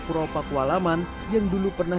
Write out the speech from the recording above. purwopakualaman yang dulu pernah